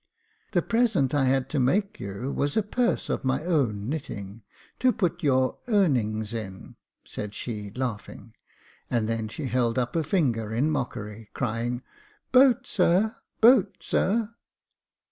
" The present I had to make you was a purse of my own knitting, to put your — earnings in," said she, laughing ; and then she held up her finger in mockery, crying, " Boat, sir ; boat, sir.